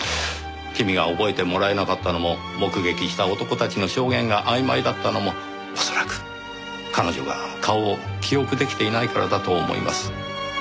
君が覚えてもらえなかったのも目撃した男たちの証言があいまいだったのも恐らく彼女が顔を記憶出来ていないからだと思います。